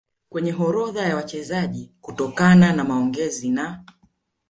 kwenye orodha ya wachezaji Kutokana na maongezi na